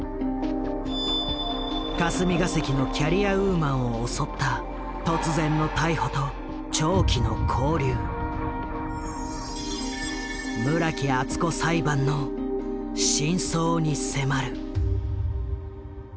霞が関のキャリアウーマンを襲った突然の逮捕と村木厚子裁判の真相に迫る。